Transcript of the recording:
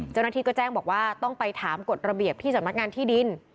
เจ้านาธิก็แจ้งบอกว่าต้องไปถามกฎระเบียบที่สมัครที่ดิน